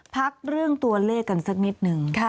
พักเรื่องตัวเลขกันสักนิดนึง